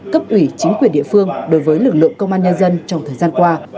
cấp ủy chính quyền địa phương đối với lực lượng công an nhân dân trong thời gian qua